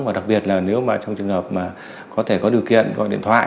và đặc biệt là nếu mà trong trường hợp mà có thể có điều kiện gọi điện thoại